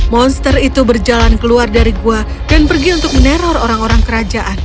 monster itu berjalan keluar dari gua dan pergi untuk meneror orang orang kerajaan